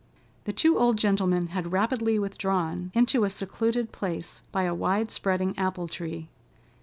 The two old gentlemen had rapidly withdrawn into a secluded place, by a wide spreading apple tree.